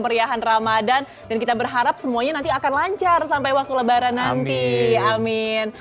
terima kasih banyak selamat pagi